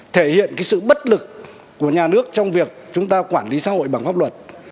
thể hiện sự bất lực của nhà nước trong việc chúng ta quản lý xã hội bằng pháp luật